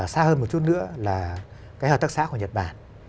xa hơn một chút nữa là cái hợp tác xã của nhật bản